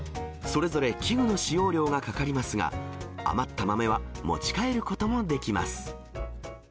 それぞれ器具の使用料がかかりますが、余った豆は持ち帰ることもできます。